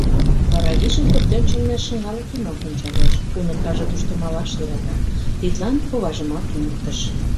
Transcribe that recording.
Вара иже пӧртӧнчылнӧ шыҥалык йымак ончалеш: уныкаже тушто малаш йӧрата, тидлан коважымат туныктыш.